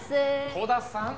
鼓田さん！